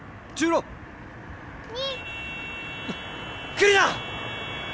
来るな！